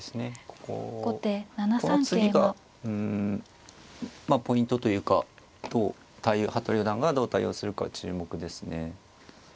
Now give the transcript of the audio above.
こここの次がうんまあポイントというかどう対応服部四段がどう対応するか注目ですね。